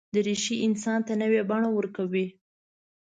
دریشي انسان ته نوې بڼه ورکوي.